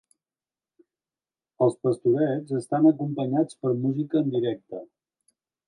Els pastorets estan acompanyats per música en directe.